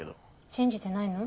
信じてないの？